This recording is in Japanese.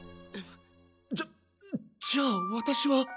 じゃじゃあ私は。